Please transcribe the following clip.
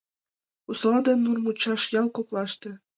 Усола ден Нурмучаш ял коклаште